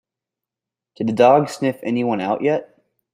Did the dog sniff anyone out yet?